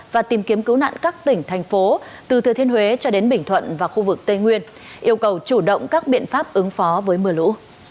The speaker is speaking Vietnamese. và tìm kiếm cứu nạn các tỉnh thành phố từ thừa thiên huế cho đến bình thuận và khu vực tây nguyên yêu cầu chủ động các biện pháp ứng phó với mưa lũ